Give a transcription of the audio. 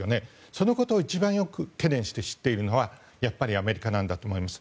そのことを一番よく知っているのがやっぱりアメリカなんだと思います。